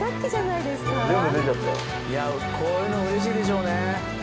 いやこういうの嬉しいでしょうね。